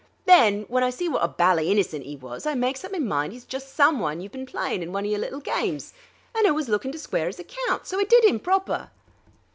Then, when I see wot a bally hinnocent 'e was, I mykes up my mind 'e's just some one you've been ply in' one of your little gymes on, and 'oo was lookin' to square 'is account. So I did 'im proper."